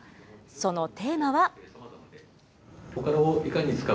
そのテーマは。